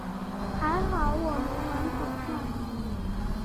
还好我没玩股票。